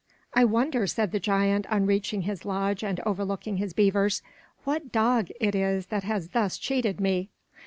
"I wonder," said the giant, on reaching his lodge and overlooking his heavers, "what dog it is that has thus cheated me.